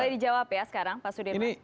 boleh dijawab ya sekarang pak sudirman